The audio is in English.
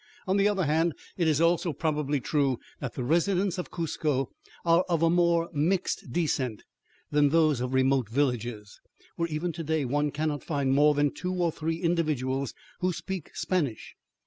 On the other hand it is also probably true that the residents of Cuzco are of more mixed descent than those of remote villages, where even to day one cannot find more than two or three individuals who speak Spanish.